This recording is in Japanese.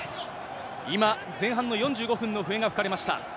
今、前半の４５分の笛が吹かれました。